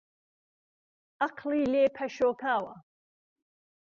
عەقڵی لێ پەشۆکاوە